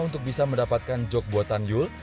untuk bisa mendapatkan jog buatan yul